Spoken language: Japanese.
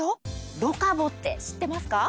ロカボって知ってますか？